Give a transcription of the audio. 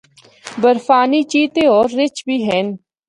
برفانی چیتے ہور رِچھ بھی ہن۔